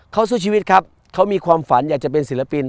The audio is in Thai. เขาสู้ชีวิตครับเขามีความฝันอยากจะเป็นศิลปิน